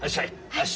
よし。